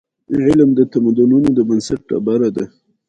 علم د تمدنونو د بنسټ ډبره ده.